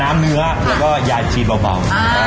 น้ำเนื้อแล้วก็ยาชีอาร์เบา